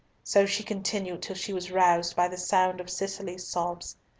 So she continued till she was roused by the sound of Cicely's sobs.